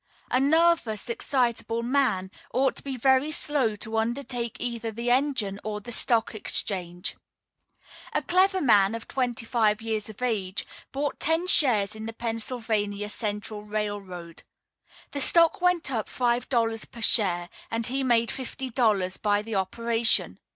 A nervous, excitable man ought to be very slow to undertake either the engine or the Stock Exchange. A clever young man, of twenty five years of age, bought ten shares in the Pennsylvania Central Railroad. The stock went up five dollars per share, and he made fifty dollars by the operation.